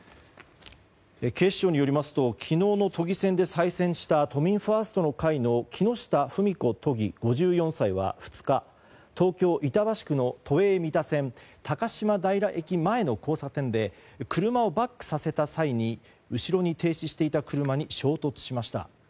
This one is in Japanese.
警視庁によりますと昨日の都議選で再選した都民ファーストの会の木下ふみこ都議、５４歳は２日東京・板橋区の都営三田線高島平駅前の交差点で車をバックさせた際に後ろに停止してた車に衝突しました。